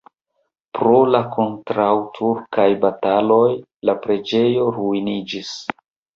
Pro la kontraŭturkaj bataloj la preĝejo ruiniĝis.